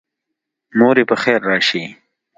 موري پخیر راشي